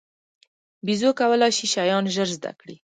بیزو کولای شي شیان ژر زده کړي.